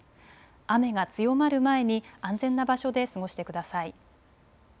雨が強まる前に安全な場所で過ごしてください。